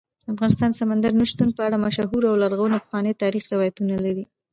افغانستان د سمندر نه شتون په اړه مشهور او لرغوني پخواني تاریخی روایتونه لري.